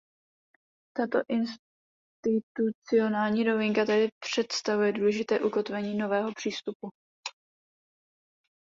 Tato institucionální novinka tedy představuje důležité ukotvení nového přístupu.